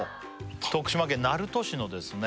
徳島県鳴門市のですね